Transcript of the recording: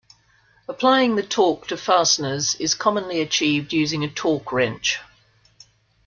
Applying the torque to fasteners is commonly achieved using a torque wrench.